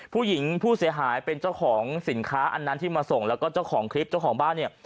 ผู้เสียหายเป็นเจ้าของสินค้าอันนั้นที่มาส่งแล้วก็เจ้าของคลิปเจ้าของบ้านเนี่ย